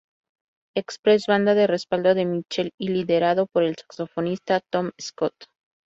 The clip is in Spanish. Express, banda de respaldo de Mitchell y liderada por el saxofonista Tom Scott.